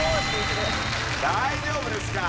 大丈夫ですか？